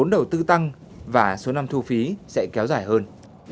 vốn đầu tư tăng và số năm thu phí sẽ kéo dài hơn